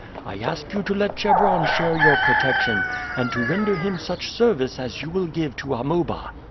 I ask you to let Chebron share your protection, and to render him such service as you will give to Amuba."